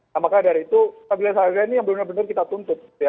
nah makanya dari itu pabila kasarga ini yang benar benar kita tuntut